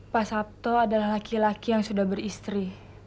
pak sabto adalah laki laki yang sudah beristri